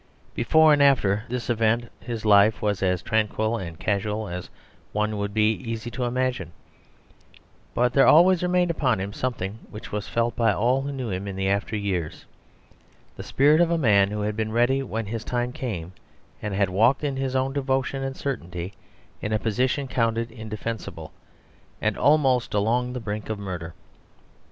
Before and after this event his life was as tranquil and casual a one as it would be easy to imagine; but there always remained upon him something which was felt by all who knew him in after years the spirit of a man who had been ready when his time came, and had walked in his own devotion and certainty in a position counted indefensible and almost along the brink of murder.